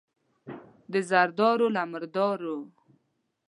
د زردارو، له مردارو.